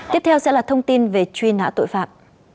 tiếp theo sẽ là thông tin về truy nã tội phạm